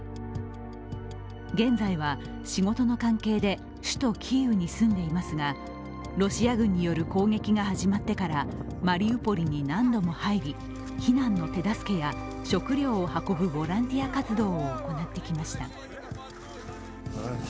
現在は、仕事の関係で首都キーウに住んでいますがロシア軍による攻撃が始まってからマリウポリに何度も入り避難の手助けや食料を運ぶボランティア活動を行ってきました。